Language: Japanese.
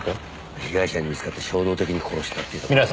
被害者に見つかって衝動的に殺したっていうところか。